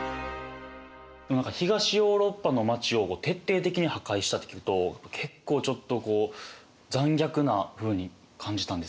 何か東ヨーロッパの町を徹底的に破壊したって聞くと結構ちょっとこう残虐なふうに感じたんですけど。